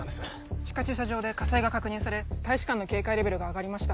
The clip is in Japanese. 地下駐車場で火災が確認され大使館の警戒レベルが上がりました